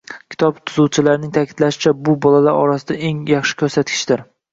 Kitob tuzuvchilarining taʼkidlashicha, bu bolalar orasida eng yaxshi koʻrsatkichdir.